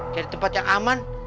cari tempat yang aman